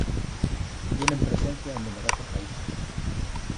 Tienen presencia en numerosos países.